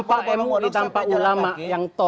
tanpa mui tanpa ulama yang top